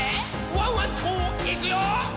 ワンワンといくよ」